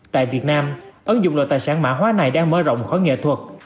tại việt nam ứng dụng loại tài sản mã hóa này đang mở rộng khỏi nghệ thuật